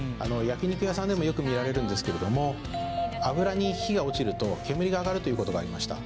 焼き肉屋さんでもよく見られるんですけれども脂が火に落ちると煙が上がるという事がありました。